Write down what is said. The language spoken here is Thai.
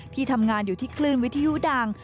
ที่ทำงานอยู่ที่คลื่นวิทยุดัง